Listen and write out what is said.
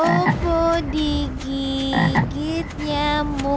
kalau tidak bobo digigit nyamuk